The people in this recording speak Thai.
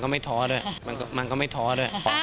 มันก็ไม่ท้อด้วย